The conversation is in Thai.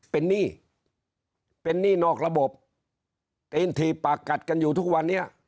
เป็นหนี้เป็นหนี้นอกระบบตีนถีบปากกัดกันอยู่ทุกวันนี้